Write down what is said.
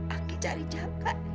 aki cari jaka